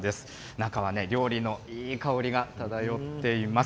中は料理のいい香りが漂っています。